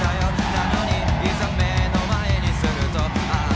なのにいざ目の前にするとああ！